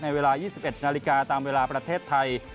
เวลา๒๑นาฬิกาตามเวลาประเทศไทย